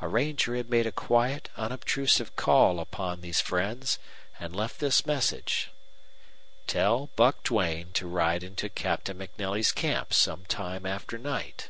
A ranger had made a quiet, unobtrusive call upon these friends and left this message, "Tell Buck Duane to ride into Captain MacNelly's camp some time after night."